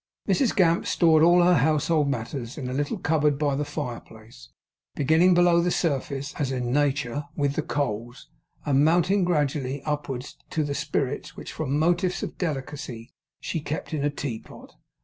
Mrs Gamp stored all her household matters in a little cupboard by the fire place; beginning below the surface (as in nature) with the coals, and mounting gradually upwards to the spirits, which, from motives of delicacy, she kept in a teapot.